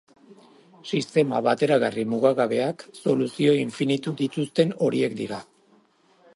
Sistema bateragarri mugagabeak soluzio infinitu dituzten horiek dira.